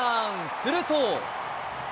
すると。